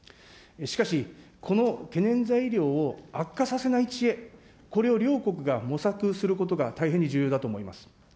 しかし、この懸念材料を悪化させない知恵、これを両国が模索することが大変に重要だと思います。